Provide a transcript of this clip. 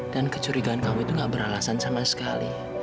dan kecurigaan kamu itu gak beralasan sama sekali